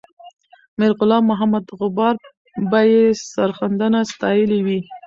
میرغلام محمد غبار به یې سرښندنه ستایلې وي.